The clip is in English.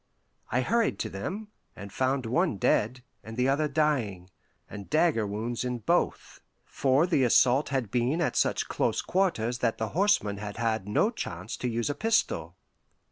I hurried to them, and found one dead, and the other dying, and dagger wounds in both, for the assault had been at such close quarters that the horseman had had no chance to use a pistol.